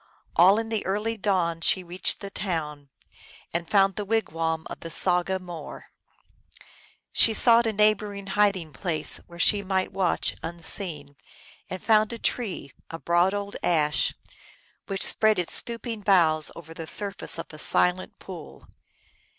All in the early dawn she reached the town, and found the wigwam of the saga more. She sought a neighboring hiding place, where she might watch unseen, and found a tree, a broad old ash, which spread its stooping boughs over the surface of a silent pool.